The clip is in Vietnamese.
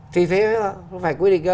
thì thế phải quy định